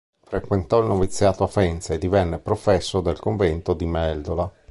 Frequentò il noviziato a Faenza e divenne professo nel convento di Meldola.